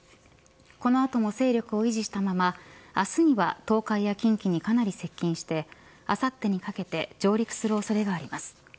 この後も勢力を維持したまま明日には東海や近畿にかなり接近してあさってにかけて上陸する恐れがあります。